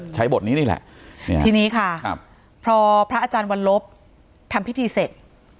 ใช้บทนี้นี่แหละทีนี้ค่ะพอพระอาจารย์วันลบทำพิธีเสร็จ